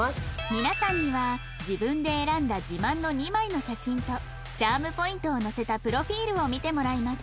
皆さんには自分で選んだ自慢の２枚の写真とチャームポイントを載せたプロフィールを見てもらいます